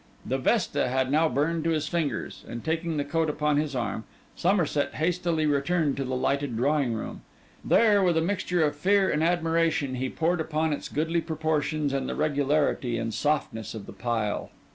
The vesta had now burned to his fingers; and taking the coat upon his arm, Somerset hastily returned to the lighted drawing room. There, with a mixture of fear and admiration, he pored upon its goodly proportions and the regularity and softness of the pile.